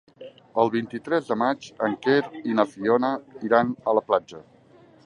El vint-i-tres de maig en Quer i na Fiona iran a la platja.